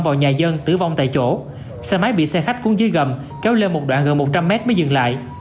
vào nhà dân tử vong tại chỗ xe máy bị xe khách xuống dưới gầm kéo lên một đoạn gần một trăm linh mét mới dừng lại